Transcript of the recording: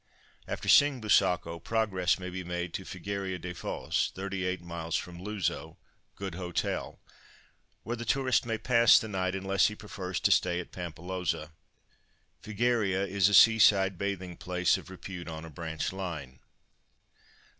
After seeing Busaco progress may be made to FIGUEIRA DA FOZ (38m. from Luzo—Good Hotel), where the tourist may pass the night, unless he prefers to stay at Pampilhosa. Figueira is a seaside bathing place of repute on a branch line.